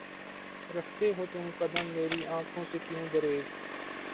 رکھتے ہو تم قدم میری آنکھوں سے کیوں دریغ؟